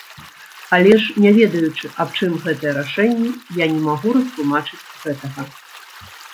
Але ж, не ведаючы, аб чым гэтыя рашэнні, я не магу растлумачыць гэтага.